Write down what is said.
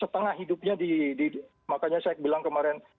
setengah hidupnya di makanya saya bilang kemarin